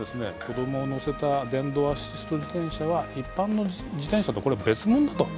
子供を乗せた電動アシスト自転車は一般の自転車とこれは別もんだと。